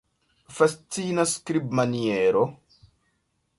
Fascina skribmaniero!